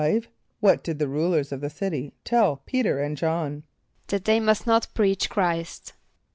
= What did the rulers of the city tell P[=e]´t[~e]r and J[)o]hn? =That they must not preach Chr[=i]st.